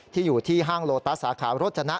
ที่อยู่ที่ห้างโลตัสสาขาโรจนะ